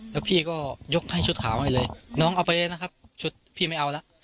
แล้วพี่ก็ยกให้ชุดขาวให้เลยน้องเอาไปเลยนะครับชุดพี่ไม่เอาแล้ว